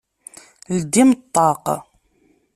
Ldim ṭṭaq!